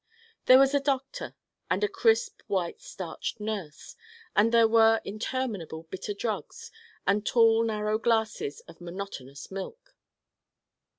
There was a doctor, and a crisp white starched nurse, and there were interminable bitter drugs and tall narrow glasses of monotonous milk.